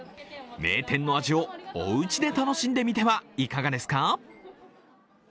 名店の味をおうちで楽しんでみてはいかがですか？